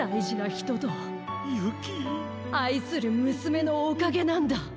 あいするむすめのおかげなんだ。